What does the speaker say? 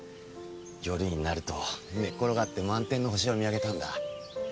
夜になると寝ころがって満天の星を見上げたんだ。